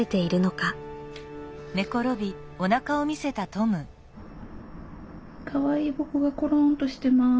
かわいい僕がころんとしてます。